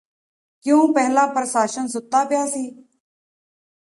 ਕਿਉਂ ਪਹਿਲਾਂ ਪ੍ਰਸ਼ਾਸਨ ਸੁੱਤਾ ਪਿਆ ਸੀ